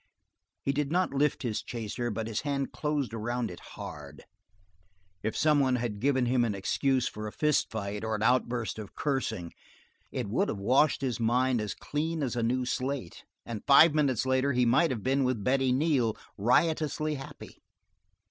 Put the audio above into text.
He did not lift his chaser, but his hand closed around it hard. If some one had given him an excuse for a fist fight or an outburst of cursing it would have washed his mind as clean as a new slate, and five minutes later he might have been with Betty Neal, riotously happy.